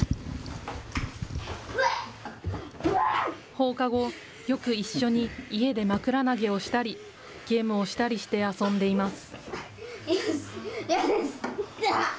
放課後、よく一緒に家で枕投げをしたり、ゲームをしたりして遊んでいます。